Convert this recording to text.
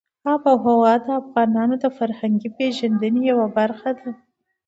آب وهوا د افغانانو د فرهنګي پیژندنې یوه برخه ده.